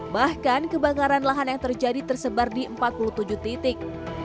bahkan kebakaran lahan yang terjadi tersebar di empat puluh tujuh titik